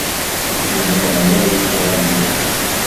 Deg Umeɣlal i ttraǧuɣ.